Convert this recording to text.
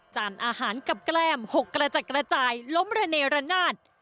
จานอาหารกับแกล้มหกกระจัดกระจายล้มระเนรนาศ